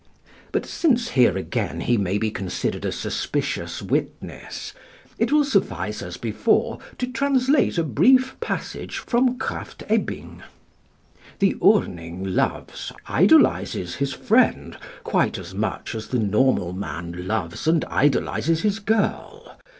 But, since here again he may be considered a suspicious witness, it will suffice, as before, to translate a brief passage from Krafft Ebing. "The Urning loves, idolizes his friend, quite as much as the normal man loves and idolizes his girl.